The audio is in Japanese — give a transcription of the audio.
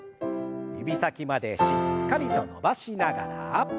指先までしっかりと伸ばしながら。